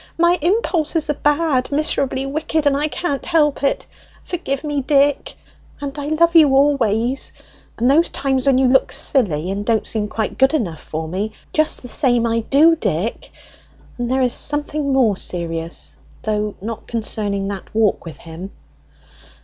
My impulses are bad miserably wicked, and I can't help it; forgive me, Dick! And I love you always; and those times when you look silly and don't seem quite good enough for me, just the same, I do, Dick! And there is something more serious, though not concerning that walk with him."